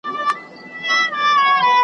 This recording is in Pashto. زما د آه جنازه څه سوه؟ .